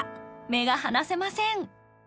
目が離せません